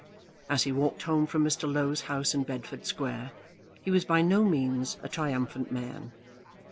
As he walked home from Mr. Low's house in Bedford Square, he was by no means a triumphant man.